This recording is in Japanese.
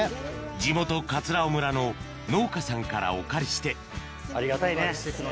地元尾村の農家さんからお借りしてありがたいね。